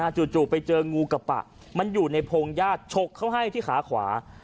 จู่ไปเจองูกระปะมันอยู่ในพงญาติฉกเขาให้ที่ขาขวา